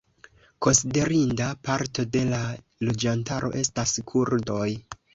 Konsiderinda parto de la loĝantaro estas kurdoj.